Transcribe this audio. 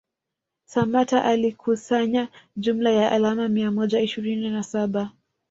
Samatta alikusanya jumla ya alama mia moja ishirini na saba